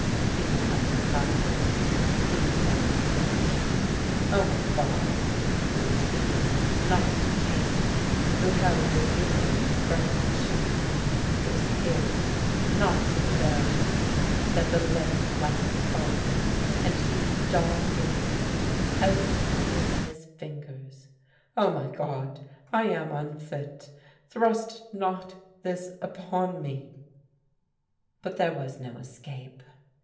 He would have none of it; he was unfit. "Oh, my God!" it was he, not Casey, who held the real infernal machine. It was here, not in the Berenice, that the levin must fall; and he, John Gilbart, held it in his fingers. "Oh, my God, I am unfit thrust not this upon me!" But there was no escape.